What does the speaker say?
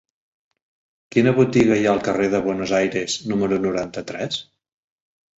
Quina botiga hi ha al carrer de Buenos Aires número noranta-tres?